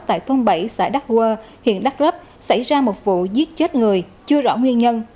tại thôn bảy xã đắc hua huyện đắk rấp xảy ra một vụ giết chết người chưa rõ nguyên nhân